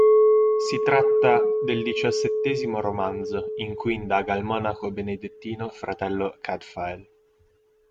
Si tratta del diciassettesimo romanzo in cui indaga il monaco benedettino Fratello Cadfael.